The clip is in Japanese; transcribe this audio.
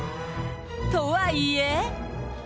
とはいえ。